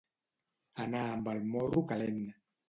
Anar amb el morro calent.